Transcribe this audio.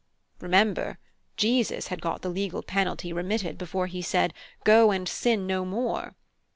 Remember Jesus had got the legal penalty remitted before he said 'Go and sin no more.'